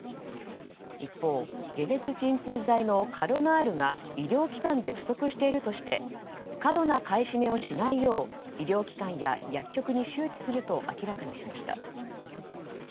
一方、解熱鎮痛剤のカロナールが医療機関で不足しているとして過度な買占めをしないよう医療機関や薬局に周知すると明らかにしました。